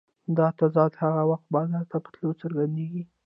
دا تضاد هغه وخت بازار ته په تلو څرګندېږي